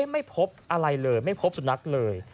ไม่พบอะไรเลยไม่พบสุนัขเลย